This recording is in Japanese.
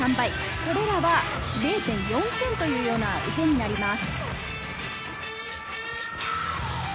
これらは０．４点という点になります。